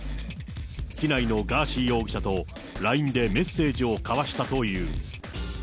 機内のガーシー容疑者とＬＩＮＥでメッセージを交わしたという。